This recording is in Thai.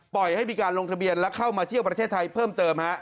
ให้มีการลงทะเบียนและเข้ามาเที่ยวประเทศไทยเพิ่มเติม